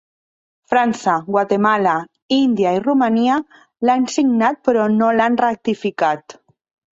França, Guatemala, Índia i Romania l'han signat però no l'han ratificat.